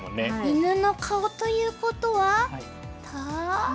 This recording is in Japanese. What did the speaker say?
犬の顔ということはタ？